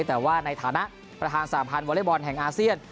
แต่ว่าในฐานะประธานสาพันธ์วอเล็กบอลแห่งอาเซียน